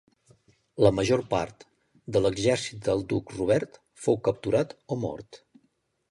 La major part de l'exèrcit del duc Robert fou capturat o mort.